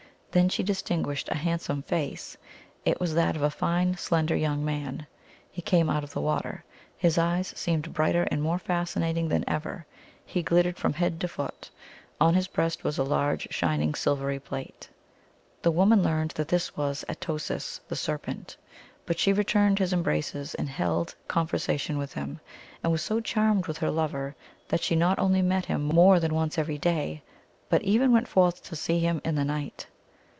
Then she distinguished a hand some face ; it was that of a fine slender young man. He came cut of the water. His eyes seemed brighter and more fascinating than ever ; he glittered from head to foot; on his breast was a large shining sil very plate. The woman learned that this was At o sis, the Ser pent, but she returned his embraces and held conver sation with him, and was so charmed with her lover that she not only met him more than once every day, but even went forth to see him in the night.